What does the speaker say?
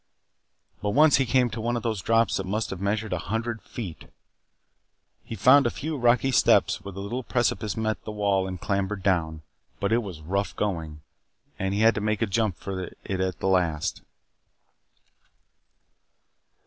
But once he came to one of these drops that must have measured a hundred feet. He found a few rocky steps where the little precipice met the wall and clambered down, but it was rough going, and he had to make a jump for it at the last.